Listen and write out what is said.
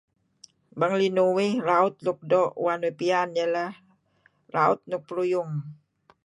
Bang linuh uih raut lukdoo' uih doo' piyan iyeh lah raut nuk peruyung.